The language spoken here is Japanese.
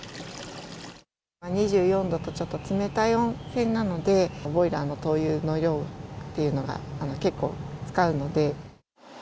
２４度とちょっと冷たい温泉ですので、ボイラーの灯油の量っていうのが、結構使うので。